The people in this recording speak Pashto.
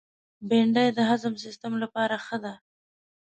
بېنډۍ د هضم سیستم لپاره ښه ده